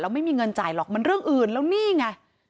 ไม่มีเงินจ่ายหรอกมันเรื่องอื่นแล้วนี่ไง